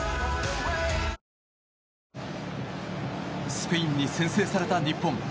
スペインに先制された日本。